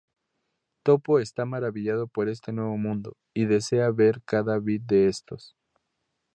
Topo está maravillado por este nuevo mundo y desea ver cada bit de estos.